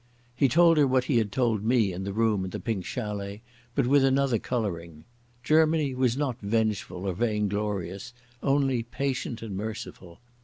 He told her what he had told me in the room at the Pink Chalet, but with another colouring. Germany was not vengeful or vainglorious, only patient and merciful.